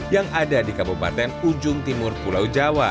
yang ada di kabupaten ujung timur pulau jawa